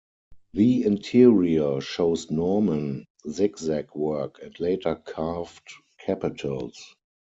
The interior shows Norman zig-zag work and later carved capitals.